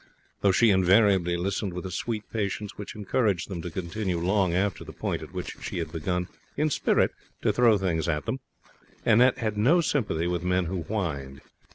Though she invariably listened with a sweet patience which encouraged them to continue long after the point at which she had begun in spirit to throw things at them, Annette had no sympathy with men who whined.